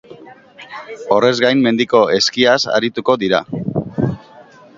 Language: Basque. Horrez gain, mendiko eskiaz arituko dira.